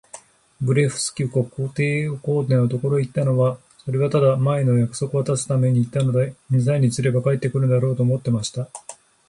ブレフスキュ国皇帝のところへ行ったのは、それはただ、前の約束をはたすために行ったので、二三日すれば帰って来るだろう、と思っていました。